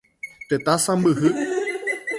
Tetã sãmbyhy.